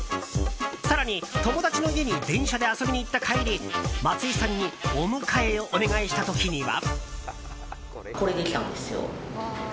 更に、友達の家に電車で遊びに行った帰り松井さんにお迎えをお願いした時には。